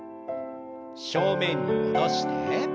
正面に戻して。